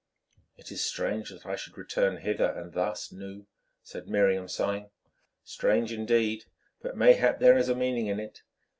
"It is strange that I should return hither, and thus, Nou," said Miriam sighing. "Strange, indeed, but mayhap there is a meaning in it.